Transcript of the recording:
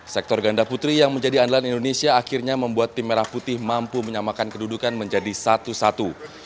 sektor ganda putri yang menjadi andalan indonesia akhirnya membuat tim merah putih mampu menyamakan kedudukan menjadi satu satu